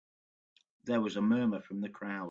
There was a murmur from the crowd.